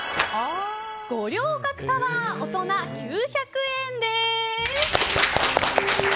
五稜郭タワー、大人９００円です。